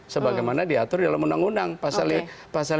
sebagaimana diatur dalam undang undang pasal lima ratus delapan belas